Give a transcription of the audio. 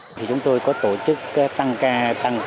năm nay lượng người đến các khu vui chơi này tăng cường nhân sự